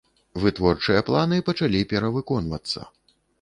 Вытворчыя планы пачалі перавыконвацца.